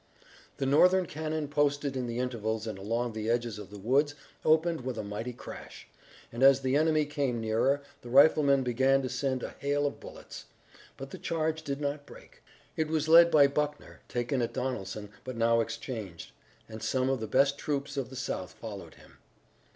The Northern cannon posted in the intervals and along the edges of the woods opened with a mighty crash, and as the enemy came nearer the riflemen began to send a hail of bullets. But the charge did not break. It was led by Buckner, taken at Donelson, but now exchanged, and some of the best troops of the South followed him.